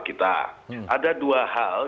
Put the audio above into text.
kita ada dua hal